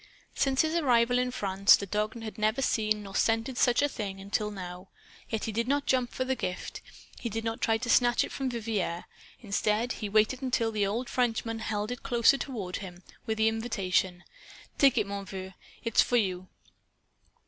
Since his arrival in France, the dog had never seen nor scented such a thing until now. Yet he did not jump for the gift. He did not try to snatch it from Vivier. Instead, he waited until the old Frenchman held it closer toward him, with the invitation: "Take it, mon vieux! It is for you."